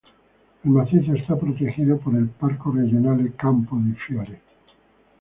El macizo está protegido por el "Parco Regionale Campo dei Fiori".